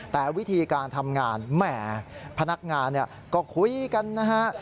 แต่วิธีการทำงานแหมพนักงานก็คุยกันนะฮะ